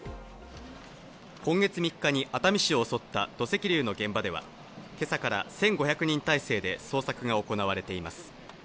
今月３日に熱海市を襲った土石流の現場では、今朝から１５００人態勢で捜索が行われています。